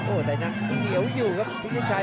โอ้แต่นั้นเหนียวอยู่ครับพริกกุญชัย